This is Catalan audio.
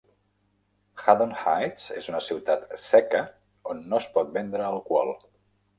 Haddon Heights és una ciutat "seca" on no es pot vendre alcohol.